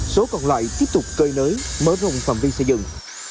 số còn lại tiếp tục cơi nới mở rộng phạm vi xây dựng